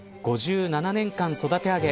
５７年間育て上げ